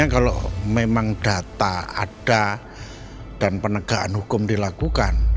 kalau memang data ada dan penegakan hukum dilakukan